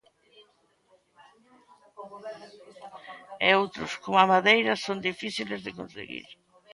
E outros, como a madeira, son difíciles de conseguir.